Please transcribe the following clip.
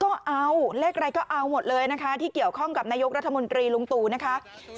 ก็เอาเลขอะไรก็เอาหมดเลยนะคะที่เกี่ยวข้องกับนายกรัฐมนตรีลุงตู่นะคะ